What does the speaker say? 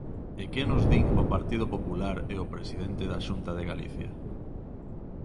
¿E que nos din o Partido Popular e o presidente da Xunta de Galicia?